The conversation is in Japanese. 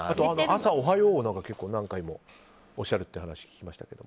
朝おはようを何回もおっしゃるって話聞きましたけど。